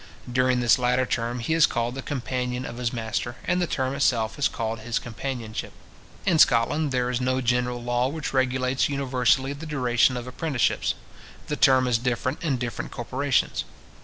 During this latter term, he is called the companion of his master, and the term itself is called his companionship. In Scotland, there is no general law which regulates universally the duration of apprenticeships. The term is different in different corporations.